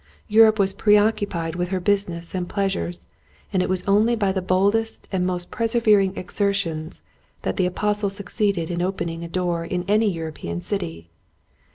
Europe was preoccu pied with her business and pleasures, and it was only by the boldest and most perse vering exertions that the apostle succeeded in opening a door in any European city.